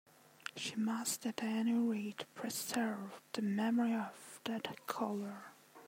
She must at any rate preserve the memory of that colour.